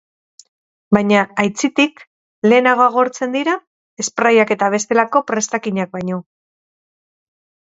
Baina, aitzitik, lehenago agortzen dira sprayak eta bestelako prestakinak baino.